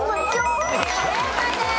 正解です！